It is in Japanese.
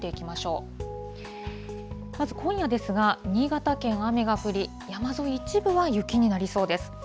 まず今夜ですが、新潟県、雨が降り、山沿い、一部は雪になりそうです。